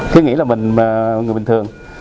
chứ nghĩ là mình người bình thường